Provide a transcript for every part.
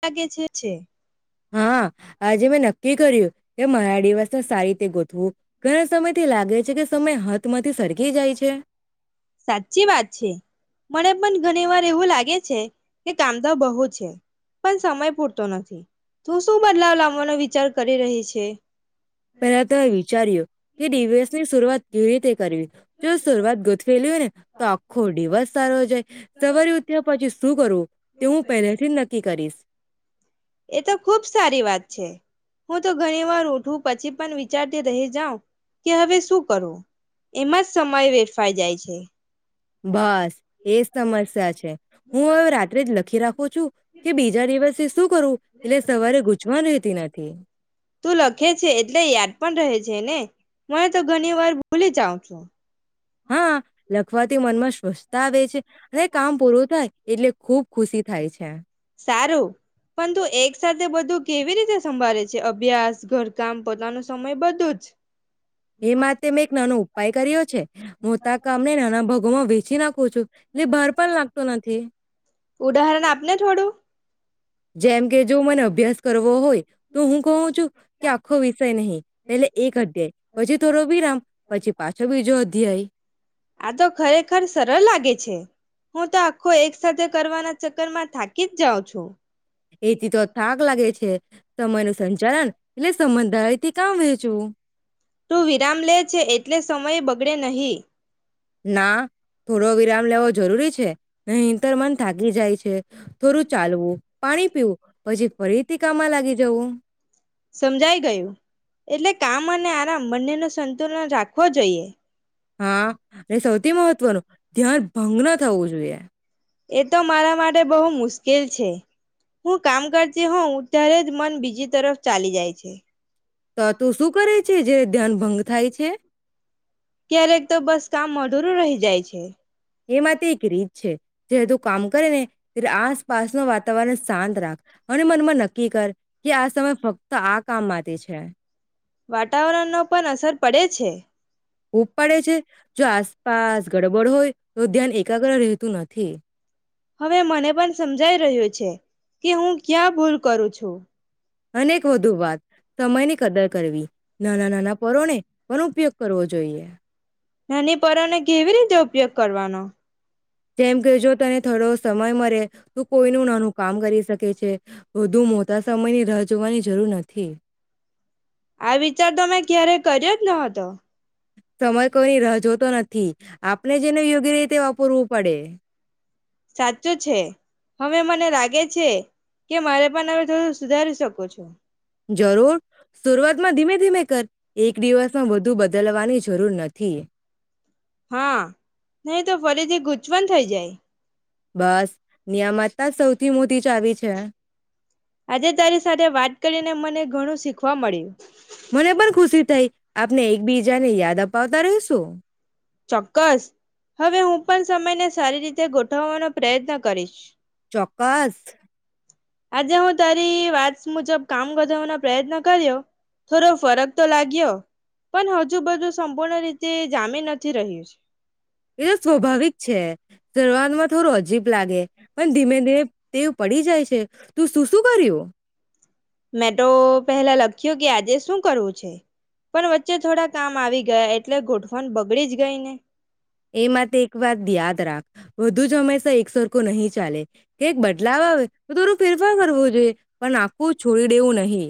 લાગે છે છે. હાં, આજે મેં નક્કી કર્યું કે મારા ડિવસને સારી રીતે ગોથવું ઘણા સમયઠી લાગે છે કે સમય હાથમાંથી સરકી જાય છે. સાચી વાત છે, મને પન ઘણી વાર એવું લાગે છે કે કામ તો બહુ છે, પન સમય પૂરતો નથી, તું શું બદલાવ લાવવાનો વિચાર કરી રહી છે? પહેલા તો એ વિચાર્યું કે દિવસની શરૂઆત કેવી રીતે કરવી. જો શરૂઆત ગોથવેલી હોય ને તો આખો દિવસ સારો [unintelligible] સવારે ઉઠ્યા પછી શું કરવું તે હું પહેલે ઠી જ નક્કી કરીશ. એ તો ખુબ સારી વાત છે, હું તો ઘણી વાર ઉઠું પછી પણ વિચારતી રહી જાઉ કે હવે શું કરવું? એમાં જ સમય વેડફાઈ જાય છે. બસ એ જ સમસ્યા છે, હું હવે રાત્રે જ લખી રાખું છું કે બીજા દિવસે શું કરવું એટલે સવારે ગૂંચવણ રહેતી નથી તું લખે છે એટલે યાદ પણ રહે છે ને! મને તો ઘણી વાર ભૂલી જાઉ છું. હાં, લખવાથી મનમાં સ્વસ્તા આવે છે અને કામ પૂરું થાય એટલે ખુબ ખુશી થાય છે. સારું પન તું એક સાથે બધું કેવી રીતે સંભાળે છે, અભ્યાસ, ઘરકામ પોતાનો સમય બધું જ? એ માતે મેં એક નાનો ઉપાય કર્યો છે, મોતા કામને નાના ભાગોમાં વ્હેચી નાખું છું એટલે ભાર પણ લાગતો નથી. ઉદાહરણ [unintelligible] જેમ કે જો મને અભ્યાસ કરવો હોય તો હું કહું છું કે આખો વિષય નહીં. પેલે એક અધ્યાય પછી થોડો વિરામ પછી પાછો બીજો અધ્યાય આ તો ખરેખર સરળ લાગે છે હું તો આખો એક સાથેથે કરવાના ચક્કર માં થાકી જ જાઉં છું. એથી તો થાક લાગે છે સમય ન સંચાલન એટલે સમધારીથી કામ વેચવું. તું વિરામ લે છે એટલે સમય બગડે નહી. ના થોડો વિરામ લેવો જ જરૂરી છે. નહી તર મન થકી જાય છે થોડું ચાલવું પાણી પીવું પછી ફરીથી કામમાં લાગી જવું. આમ અને આરામ બંને ન સંતુલન રાખવો જોઈએ. હા અને સૌથી મહત્વનું ધ્યાન ભંગન થવું જોઈએ. એ તો મારા માટે બહુ મુશ્કેલ છે હું કામ કરતી હોઉ ત્યારે જ મન બીજી તરફ ચાલી જાય છે. તો તું શું કરે છે જે. ધ્યાન ભંગ થાય છે. ક્યારેક તો બસ કામ અધુરું રહી જાય છે. એમાં એક રીત છે જ્યારે તું કામ કરે ને ત્યારે આસપાસનું વાતાવરણ શાંત રાખ અને મનમાં નક્કી કર કે આ સમય ફક્ત આ કામ માટે છે. વાતાવરણ નો પણ અસર પડે છે. ઉપબ પાડે છે જો આસપાસ ગડબડ હોય તો ધ્યાન એકાગ્ર. તું નથી. હવે મને પણ સમજાઈ રહ્યું છે કે હું ક્યાં ભૂલ કરું છું. અનેક વધુ વાત સમયની કદર કરવી નાના નાના પરોને પણ ઉપયોગ કરવો જોએ. જોઈએ. નાની પરોને કેવી રીતે ઉપયોગ કરવાનો. જેમ કજો તને. થોડો સમય મરે. તું કોઈનું નાનું કામ કરી શકે છે બધુ મોટા સમયની. રાહ જોવાની જરૂર નથી. આ વિચાર તો મે ક્યારે કર્યો જ ન હતો. સમય કોઈની રાહ જોતો નથી. ઠીક. આપણે જેને યોગ્ય રીતે પૂરવું પડે. સાચો છે હવે મને લાગે છે કે મારે પણ હમે થોડું સુધારી શકુ છું. જરુ સુરુવાતમાં ધીમે ધીમે કર એક દિવસમાં બધું બદલવાની જરૂર નથી. હા નહી તો ફરીથી ગૂંચવન થઈ જાય. બસ નિયામતા સૌથી મોટી ચાવી છે આજે તારી સાથે વાત કરીને મને ઘણું શીખવા મેરે જને યાદ અપાવતા રેસુ ચોક્કસ હવે હું પણ સમયને સારી રીતે ગોઠવવાનો પ્રયત્ન કરીશ. ચોક્કાસ. આજે હું તારી વાત મુજબ કામ વધવાનો પ્રયત્ન કર્યો થોડો ફરક તો લાગ્યો પણ હજુ બધું સંપૂર્ણ રીતે જામી નથી રહ્યું. એ તો સ્વાભાવિક છે, [unintelligible] માં થોડું અજીબ લાગે પણ ધીમે ધીમે તેવ પડી જાય છે. તું શું શું કર્યું? મેં તો પેહલા લખ્યું કે આજે શું કરવું છે, પણ વચ્ચે થોડા કામ આવી ગયા એટલે ગોઠવણ બગડી જ ગઈ ને. એ માટે એક વાત યાદ રાખ. વધુ જ હંમેશા એક સરકુ નહી ચાલે. એક બદલાવ આવે તો થોડુ ફેરફાર કરવુ જોઈએ પણ આખું છોડી દેવું નહી.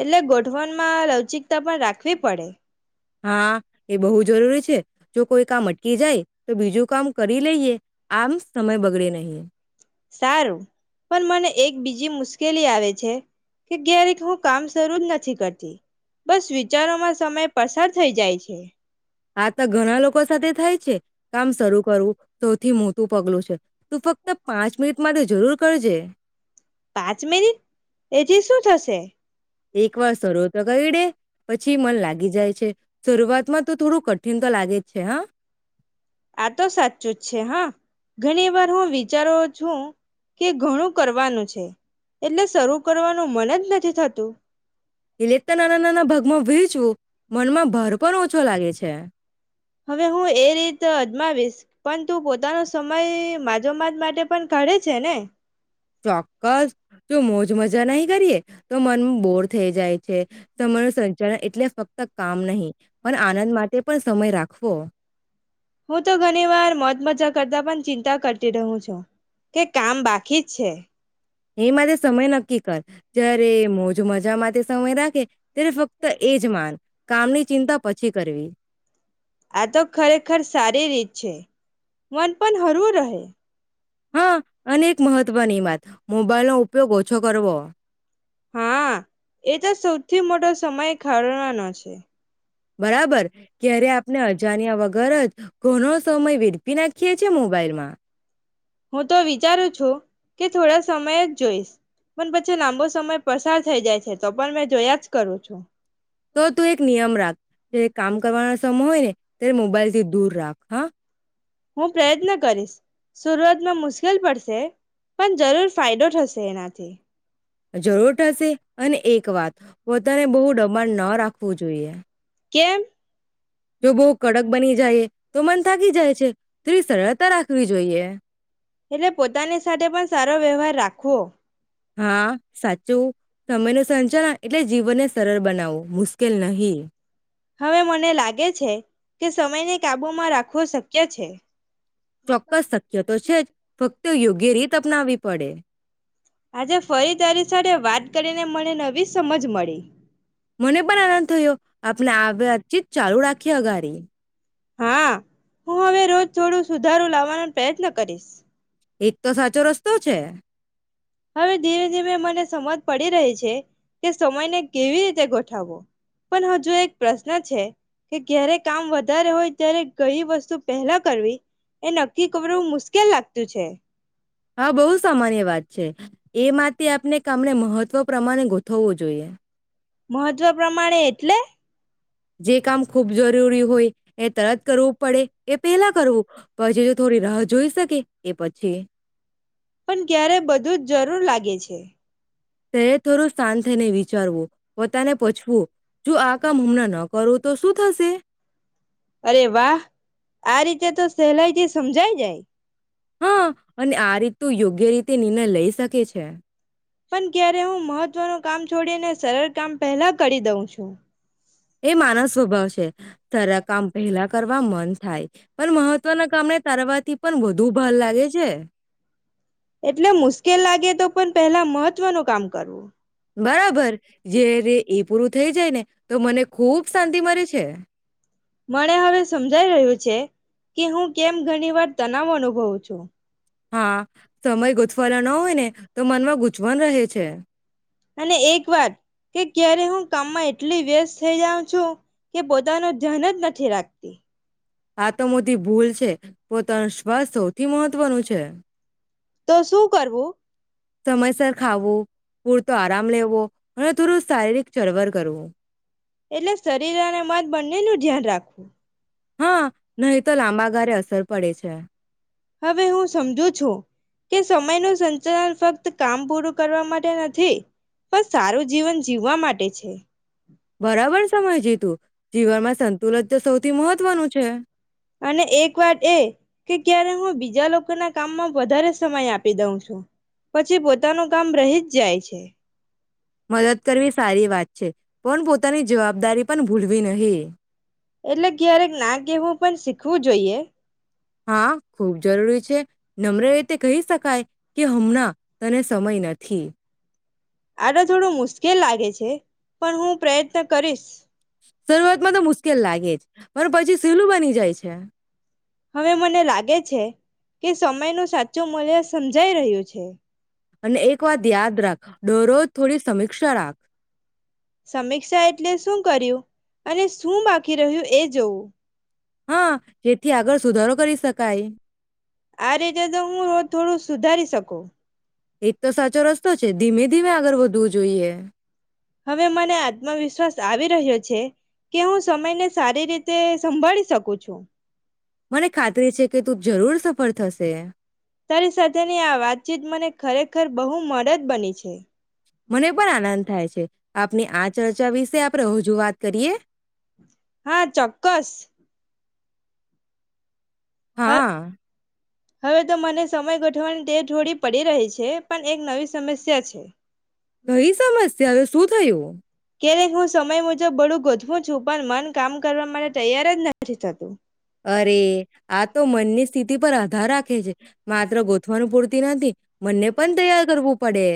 એટલે ગોઠવણમાં લવચિકતા પણ રાખવી પડે. હા એ બહુ જ જરૂરી છે. જો કોઈ કામ અટકી જાય તો બીજું કામ કરી લઈએ આમ સમય બગડે નહીં. શ્કેલી આવે છે કે ક્યારેક હું કામ શરૂુ જ નથી કરતી, બસ વિચારોમાં સમય પસાર થઈ જાય છે. આ તો ઘણા લોકો સાથે થાય છે. કામ શરૂ કરવું સૌથી મોટું પ ગ્લુ છે. તું ફક્ત પાંચ મિનિટ માટે જરૂર કળજે. પાંચ મિનિટ એથી શું થશે? એક વાર સરો તો [unintelligible] પછી મન લાગી જાય છે, શરૂઆતમાં તો થોડું ક ઠિન તો લાગે જ છે હ. આ તો સાચું જ છે હા ઘણી વાર હું વિચારો છું કે ઘણું કરવાનું છે. એટલે શરૂ કરવાનું મન જ નથી થતું. [unintelligible] નાના નાના ભાગમાં [unintelligible] મનમાં ભાર પણ ઓછો લાગે છે. હવે હું એ રીત અજમાવીશ પણ તું પોતાનો સમય માજોમાજ માટે પણ કાઢે છે ને. ચોક્કસ જો મોજ મજા નહી કરીએ તો મન બોર થઈ જાય છે. તમાર સંચાર એટલે ફક્ત કામ નહી. પણ આનંદ માટે પણ સમય રાખવો. હું તો ઘણી વાર મત મજા કરતા પણ ચિંતા કરતી રહું છું, કે કામ બાકી જ છે. એ માટે સમય નક્કી કર જ્યારે મોજ મજા માટે સમય રાખે તેને ફક્ત એજ માન કામની ચિંતા પછી કરવી. આ તો ખરેખર સારી રીત છે, મન પણ હરવું રહે. હા અનેક મહત્વની માત. હા એ તો સૌથી મોટો સમય ખાળવાનો છે. બરાબર, ક્યારે આપણે અજાણ્યા વગર જ ઘણો સમય વેરપી નાખીએ છે મોબાઈલમાં. હું તો વિચારું છું, કે થોડા સમય જ જોઈશ પણ પછી લાંબો સમય પસાર થઈ જાય છે, તો પણ મેં જોયા જ કરું છું. તો તું એક નિયમ રાખ જે કામ કરવાનો સમય હોય ને તે મોબાઈલથી દૂર. રાખ હ. હું પ્રયત્ન કરીશ. સુરઆતમાં મુશ્કેલ પડશે પણ જરૂર ફાયદો થશે એનાથી. જરૂર થશે, અને એક વાત, વધારે બહુ ડબાણ ન રાખવું જોઈએ. કેમ? જો બહુ કડક બની જાય તો મન થાકી જાય છે થોડી સરળતા રાખવી જોઈએ [inaudible] એટલે પોતાની સાથે પણ સારો વ્યવહાર રાખ ખૂઓ. હા સાચું તમે ન સંજના એટલે જીવનને સરળ બનાવો. મુશ્કેલ નહીં. હવે મને લાગે છે કે સમયને કાબુમાં રાખવો શક્ય છે. ચોક્કસ શક્ય તો છે જ ફક્ત યોગ્ય રીત અપનાવવી પડે. આજે ફરી તારી સાથે વાત કરીને મને નવી સમજ મળી. મને પણ આનંદ થયો આપણે આ વાતચીત ચાલુ રાખી અગારી. હા હું હવે રોજ થોડું સુધારું લાવવાનો પ્રયત્ન કરીશ. એક તો સાચો રસ્તો છે. હવે ધીમે ધીમે મને સમજ પડી રહી છે કે સમયને કેવી રીતે ગોઠવવો પણ હજુ એક પ્રશ્ન છે કે જ્યારે કામ વધારે હોય ત્યારે ગઈ વસ્તુ પહેલા કરવી એ નક્કી કરવું મુશ્કેલ લાગતું છે. હા બહુ સામાન્ય વાત છે. છે. એમાંથી આપને કામને મહત્વ પ્રમાણે ગોઠવવું જોઈએ. મહત્વ પ્રમાણે એટલે જે કામ ખૂબ જોર ઉરી હોય. એ તરત કરવું પડે એ પેલા કરવું પછી જો થોડી રાહ જોઈ. શકે એ પછી. પણ ક્યારે બધું જ જરૂર લાગે છે. તે થોડું શાંત થઈ ને વિચારવું. પોતાને પૂછવું જો આ કામ હમણાં ન કરું તો શું થશે. અરે વાહ આ રીતે તો સહેલાઈથી સમજાય જાય. હા અને આ રીત તો યોગ્ય રીતે નિર્ણય લઈ શકે છે. પણ ક્યારે હું મહત્વનું કામ છોડીને સરળ કામ પહેલા કરી દઉં છું. એ માના સ્વભાવ છે તાર કામ પહેલા કરવા મન થાય. પણ મહત્વના કામને તારવાથી પણ વધુ ભાર લાગે છે. એટલે મુશ્કેલ લાગે તો પણ પેલા મહત્વનું કામ કરવું. બરાબર જય્યારે એ પૂરું થઈ જાય ને તો મને ખુબ શાંતિ મરે છે. મને હવે સમજાઈ રહ્યું છે કે હું કેમ ઘણી વાર તનાવ અનુભવું છું. હા. સમય ગોથ ફળ ન હોય ને તો મનમાં ગૂચવાન રહે છે. અને એક વાત કે ક્યારે હું કામમાં એટલી વ્યસ્ત થઈ જાઉં છું, કે પોતાનું ધન જ નથી રાખતી. આ તો મોથી ભૂલ છે પોતાનો શ્વાસ સૌથી મહત્વનું છે. તો શું કરવું સમયસર ખાવો. પૂરતો આરામ લેવો અને થોડું શારીરિક. ચરવર કરવો. એટલે શરીર અને મન બંને નું ધ્યાન રાખવું. હા, નહી તો લાંબા ગરે અસ સર પડે છે. હવે હું સમજુ છું કે સમયનું સંચાલન ફક્ત કામ પૂરું કરવા માટે નથી, પણ સારું જીવન જીવવા માટે છે. બરાબર સમયજી તું જીવનમાં સંતુલન તો સૌથી મહત્વનું છે અને એક વાટ એ કે ક્યારે હું બીજા લોકો ના કામમાં વધારે સમય આપી દઉં છું. પછી પોતાનું કામ રહી જ જાય છે. મદદ કરવી સારી વાત છે, પણ પોતાની જવાબદારી પન ભૂલવી નહી. એટલે ક્યારેક ના કેવું પણ શીખવું જોઈએ. હા ખુબ જરૂરી છે નમ્ર રીતે કહી શકાય કે હમના તને સમય નથી. આ તો થોડુ મુશ્કેલ લાગે છે. પણ હું પ્રયત્ન કરીશ. શરૂઆતમાં તો મુશ્કેલ લાગે જ પણ પછી સેલું બની જાય છે. હવે મને લાગે છે કે સમયનો સાચું મૂલ્ય સમજાય રહ્યો છે. અને એક વાત યાદ રાખ ડરો થોડી સમ અક્ષ રાખ. સમીક્ષા એટલે શું કર્યું અને શું બાકી રહ્યું એ જોવું. હા જેથી આગળ સુધારો કરી શકાય. આ રીતે તો હું થોડું સુધારી શકું. એક તો સાચો રસ્તો છે ધીમે ધીમે આગળ વધવું જોઈએ. હવે મને આત્મવિશ્વાસ આવી રહ્યો છે કે હું સમયને સારી રીતે સંભાળી શકું છું‌. મને ખાતરી છે કે તું જરૂર સફર થશે. તારી સાથેની આ વાતચીત મને ખરેખર બહુ મદદ બની છે. મને પણ આનંદ થાય છે આપની આ ચર્ચા વિશે આપણે હજુ વાત- કરીએ. હા ચોક્કસ હ હા હવે તો મને સમય ગોઠવાની તે જોડી પડી રહી છે પણ એક નવી સમસ્યા છે. કઈ સમસ્યાઓ શું થયું ક્યારે હું સમય મુજબ બડું ગોઠવું છું પણ મન કામ કરવા માટે તૈયાર જ નથી થતું. અરે આ તો મનની સ્થિતિ પર આધાર રાખે છે, માત્ર ગોથવાનું પૂરતી નથી મનને પણ તૈયાર કરવું પડે.